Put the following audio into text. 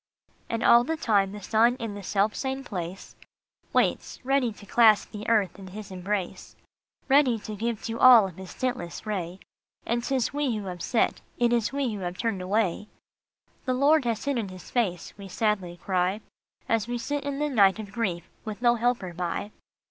And all the time the sun in the self same place Waits, ready to clasp the earth in his embrace, Ready to give to all of his stintless ray ; And t is we who have " set," it is we who have turned away !" The Lord has hidden his face," we sadly cry, As we sit in the night of grief with no helper by.